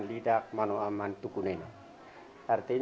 kali ini saya berkesempatan untuk menjejak rumah adat suku tetun